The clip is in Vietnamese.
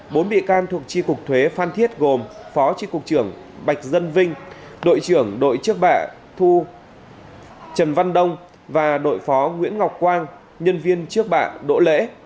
bốn bị can thuộc tri cục thuế phan thiết gồm phó tri cục trưởng bạch dân vinh đội trưởng đội trước bạ thu trần văn đông và đội phó nguyễn ngọc quang nhân viên trước bạn đỗ lễ